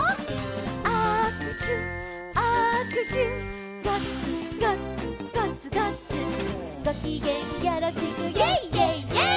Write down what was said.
「あくしゅあくしゅ」「ガッツガッツガッツガッツ」「ごきげんよろしく」「イェイイェイイェイ！」